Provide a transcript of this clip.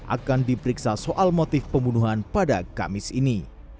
akan diperiksa soal motif pembunuhan pada kamis ini